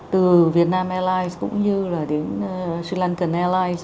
từ việt nam airlines cũng như là đến sri lankan airlines